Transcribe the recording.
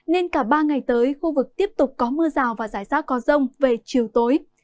nên cả ba ngày tới khu vực tiếp tục có mưa rào và rải rác có rông về chiều tối